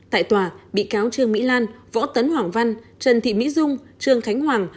tại tòa bị cáo trương mỹ lan võ tấn hoàng văn trần thị mỹ dung trương khánh hoàng